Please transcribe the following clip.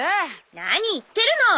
何言ってるの？